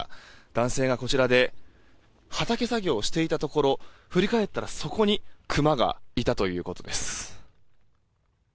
男性はこちらで畑作業をしていたところ振り返ったらそこにクマがいたということです。